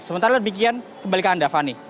sementara demikian kembali ke anda fani